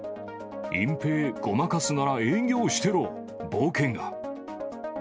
隠蔽、ごまかすなら営業してろ、ぼけが。